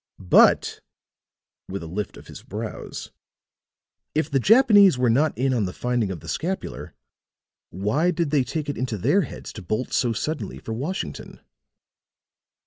But," with a lift of his brows, "if the Japanese were not in on the finding of the scapular, why did they take it into their heads to bolt so suddenly for Washington?"